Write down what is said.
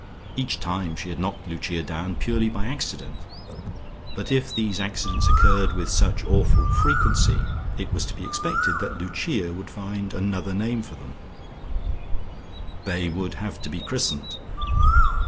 Each time, she had knocked Lucia down purely by accident, but if these accidents occurred with such awful frequency, it was to be expected that Lucia would find another name for them: they would have to be christened.